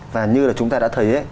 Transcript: và như là chúng ta đã thấy